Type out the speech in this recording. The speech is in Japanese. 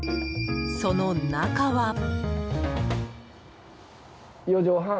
その中は。